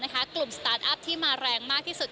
กลุ่มสตาร์ทอัพที่มาแรงมากที่สุด